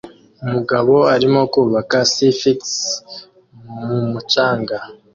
Umugabo arimo kubaka sphinx mu mucanga